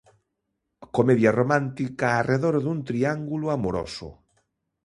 Comedia romántica arredor dun triángulo amoroso.